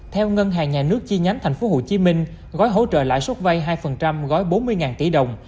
theo ngân hàng nhà nước chi nhánh tp hcm gối hỗ trợ lại suốt vay hai gói bốn mươi tỷ đồng